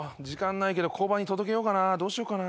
時間ないけど交番に届けようかな。